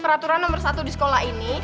peraturan nomor satu di sekolah ini